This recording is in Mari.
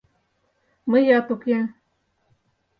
— Мыят уке.